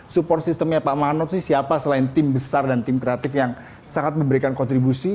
support systemnya pak manok sih siapa selain tim besar dan tim kreatif yang sangat memberikan kontribusi